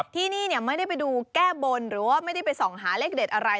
ที่นี่ไม่ได้ไปดูแก้บนหรือว่าไม่ได้ไปส่องหาเลขเด็ดอะไร